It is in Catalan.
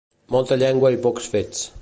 Molta llengua i pocs fets.